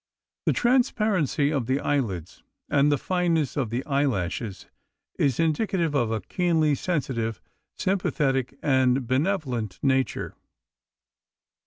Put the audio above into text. The transparency of the eyelids and the fineness of the eyelashes is indicative of a keenly sensitive, sympathetic, and benevolent nature.